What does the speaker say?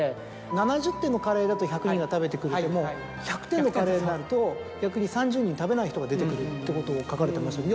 ７０点のカレーだと１００人が食べてくれても１００点のカレーになると逆に３０人食べない人が出てくるってことを書かれてましたよね。